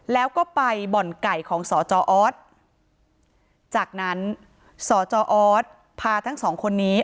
แล้วก็ไปบ่อนไก่ของสจออสจากนั้นสจออสพาทั้งสองคนนี้